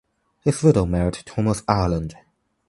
His widow married Thomas Ireland.